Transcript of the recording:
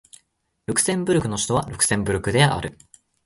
ルクセンブルクの首都はルクセンブルクである